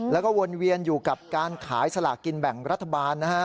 แล้วก็วนเวียนอยู่กับการขายสลากกินแบ่งรัฐบาลนะฮะ